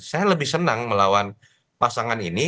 saya lebih senang melawan pasangan ini